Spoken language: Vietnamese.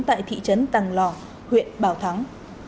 tại thị trấn tàng lò huyện bảo thắng